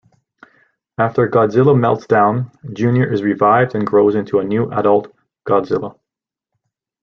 After Godzilla melts down, Junior is revived and grows into a new adult Godzilla.